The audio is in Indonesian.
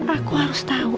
aku harus tahu